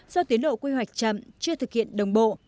do tiến độ quy hoạch chậm chưa thực hiện đồng bộ